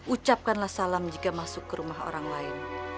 ucapkanlah salam jika masuk ke rumah orang lain